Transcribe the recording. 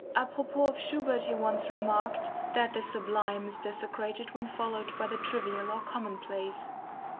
Apropos of Schubert he once remarked: "that the sublime is desecrated when followed by the trivial or commonplace."